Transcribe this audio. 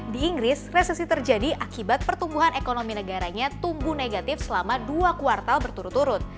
di inggris resesi terjadi akibat pertumbuhan ekonomi negaranya tumbuh negatif selama dua kuartal berturut turut